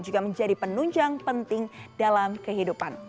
juga menjadi penunjang penting dalam kehidupan